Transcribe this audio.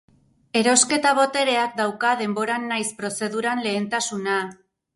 Erosketa-botereak dauka denboran nahiz prozeduran lehentasuna.